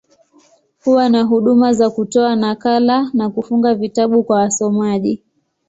Huwa na huduma za kutoa nakala, na kufunga vitabu kwa wasomaji.